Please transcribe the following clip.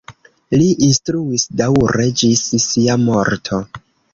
Li instruis daŭre ĝis sia morto.